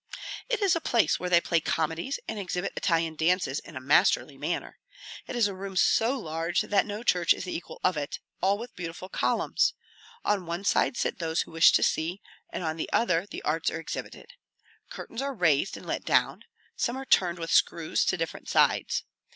It is a place where they play comedies and exhibit Italian dances in a masterly manner. It is a room so large that no church is the equal of it, all with beautiful columns. On one side sit those who wish to see, and on the other the arts are exhibited. Curtains are raised and let down; some are turned with screws to different sides.